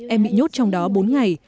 em bị nhốt trong đó bốn ngày